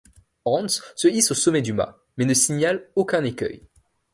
Hans se hisse au sommet du mât, mais ne signale aucun écueil.